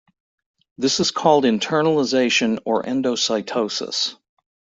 This is called internalization or endocytosis.